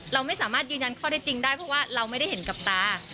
เราไม่สามารถยืนยันข้อได้จริงได้เพราะว่าเราไม่ได้เห็นกับตา